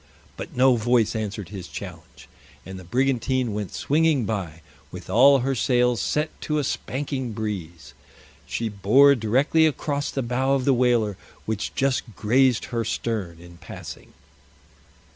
But no voice answered his challenge, and the brigantine went swinging by, with all her sails set to a spanking breeze. She bore directly across the bow of the whaler, which just grazed her stern in passing.